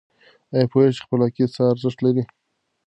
آیا ته پوهېږي چې خپلواکي څه ارزښت لري؟